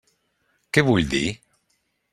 Què vull dir?